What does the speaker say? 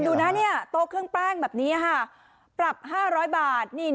ถูกคุณดูนะโต๊ะเครื่องแป้งแบบนี้ปรับ๕๐๐บาท